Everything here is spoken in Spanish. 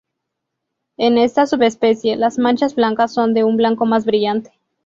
En esta subespecie las manchas blancas son de un blanco más brillante.